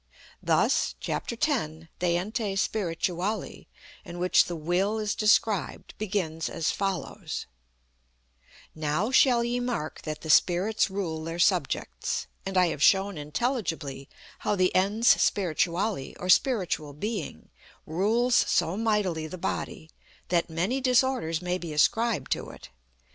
Thus, chap, x, de Ente Spirituali, in which the Will is described, begins as follows: "Now shall ye mark that the Spirits rule their subjects. And I have shown intelligibly how the Ens Spirituale, or Spiritual Being, rules so mightily the body that many disorders may be ascribed to it.